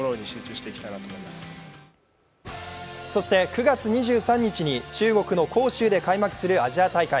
９月２３日に中国の杭州で開幕するアジア大会。